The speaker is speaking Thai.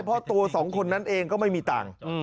เพราะตัวสองคนนั้นเองก็ไม่มีตังค์